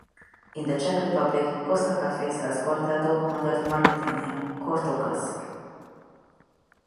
In the Czech Republic, Costa Coffee sells cortado under the marketing name "corto classic".